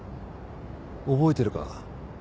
覚えてるか？